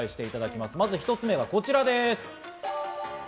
まず１つ目がこちらです。